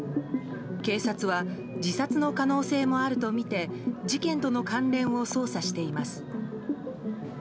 警察は自殺の可能性もあるとみて事件との関連を捜査しています。